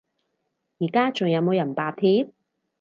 而家仲有冇人罷鐵？